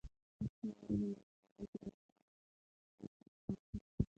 لوستې میندې د ماشومانو د لاسونو وچ ساتلو ته پام کوي.